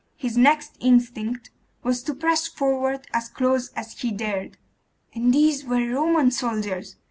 His next instinct was to press forward as close as he dared.... And these were Roman soldiers!